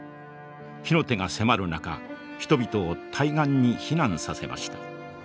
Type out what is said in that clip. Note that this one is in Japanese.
火の手が迫る中人々を対岸に避難させました。